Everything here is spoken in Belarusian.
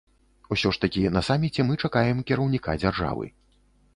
Усё ж такі на саміце мы чакаем кіраўніка дзяржавы.